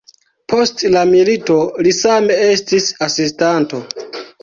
Post la milito li same estis asistanto.